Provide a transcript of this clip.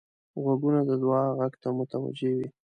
غوږونه د دعا غږ ته متوجه وي